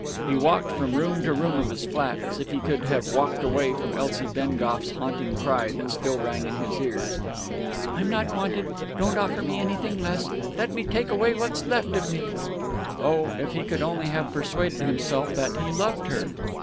He walked from room to room of his flat, as if he could have walked away from Elsie Bengough's haunting cry that still rang in his ears. "I'm not wanted don't offer me anything less let me take away what's left of me " Oh, if he could only have persuaded himself that he loved her!